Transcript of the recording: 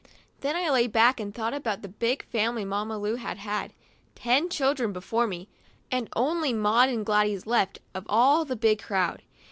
Then I lay back and thought about the big family that Mamma Lu had had — ten children before me, and only Maud and Gladys left of all the big crowd.